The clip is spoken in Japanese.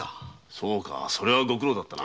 そうかそれはご苦労だったな。